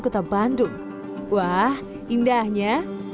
kota bandung wah indahnya